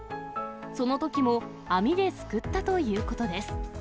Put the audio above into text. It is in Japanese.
そのときも網ですくったということです。